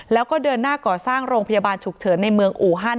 แล้วก็เดินหน้าก่อสร้างโรงพยาบาลฉุกเฉินในเมืองอูฮัน